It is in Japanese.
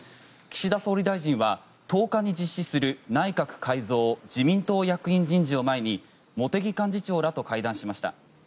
岸田総理大臣は１０日に実施する内閣改造、自民党役員人事を前に茂木幹事長らと会談しました。